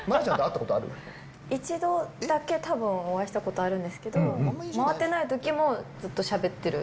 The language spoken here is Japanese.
一度だけたぶん、お会いしたことあるんですけど、回ってないときも、ずっとしゃべってる。